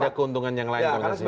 ada keuntungan yang lain kompensasinya